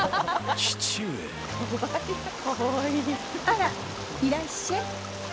あら、いらっしゃい。